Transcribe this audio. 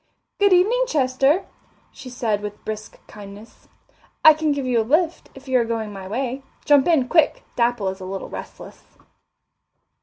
"Good evening, Chester," she said with brisk kindness. "I can give you a lift, if you are going my way. Jump in, quick Dapple is a little restless."